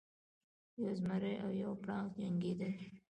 یو زمری او یو پړانګ جنګیدل.